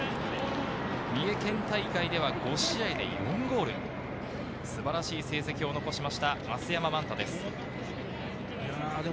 三重県大会では５試合で４ゴール、素晴らしい成績を残しました、増山万太です。